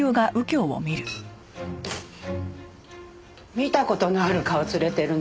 見た事のある顔連れてるね。